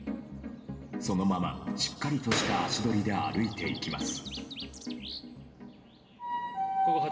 そのまましっかりとした足取りで歩いていきます。